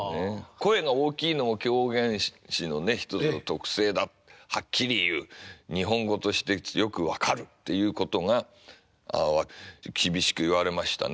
声が大きいのも狂言師のね一つの特性だはっきり言う日本語として強く分かるっていうことが厳しく言われましたね。